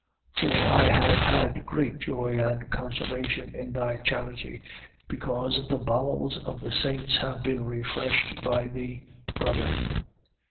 1:7. For I have had great joy and consolation in thy charity, because the bowels of the saints have been refreshed by thee, brother.